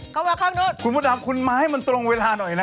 เข้ามาข้างนู้นคุณมดดำคุณมาให้มันตรงเวลาหน่อยนะ